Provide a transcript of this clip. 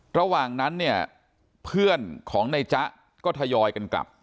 ระหว่างนั้นเนี่ยเพื่อนของในจ๊ะก็ทยอยกันกลับ